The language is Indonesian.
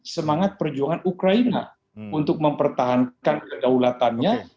semangat perjuangan ukraina untuk mempertahankan kedaulatannya